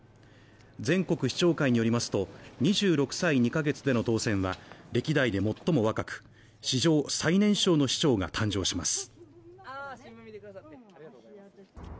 全国市長会によりますと、２６歳２ヶ月での当選は歴代で最も若く、史上最年少の市長が誕生します。